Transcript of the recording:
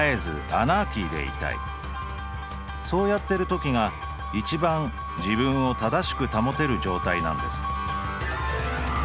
「そうやってる時が一番自分を正しく保てる状態なんです」。